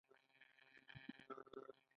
پتنګ ولې په ګل کیني؟